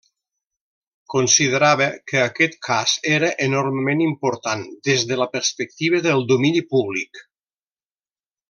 Considerava que aquest cas era enormement important des de la perspectiva del domini públic.